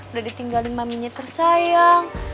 udah ditinggalin maminya tersayang